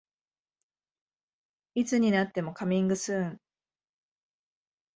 いつになってもカミングスーン